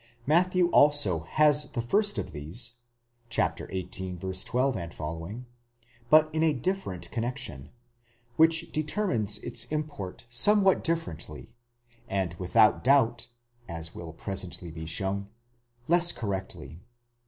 Matthew also has. the first of these (xviii. 12 ff.), but in a different connexion, which determines. its import somewhat differently, and without doubt, as will presently be shown, less correctly.